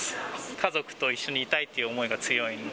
家族と一緒にいたいという思いが強いので。